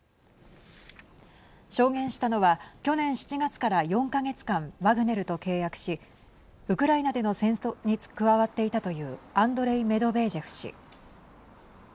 証言したのは去年７月から４か月間、ワグネルと契約しウクライナでの戦闘に加わっていたというアンドレイ・メドベージェフ氏。